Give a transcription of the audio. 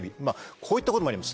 こういったこともあります。